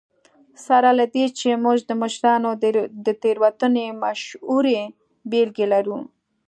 سره له دې چې موږ د مشرانو د تېروتنو مشهورې بېلګې لرو.